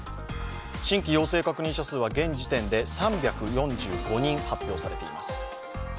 新規陽性確認者数は現時点で３４５人発表されています。